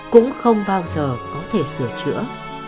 cũng không bao giờ có thể sửa chữa